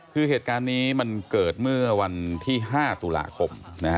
คือเหตุการณ์นี้มันเกิดเมื่อวันที่๕ตุลาคม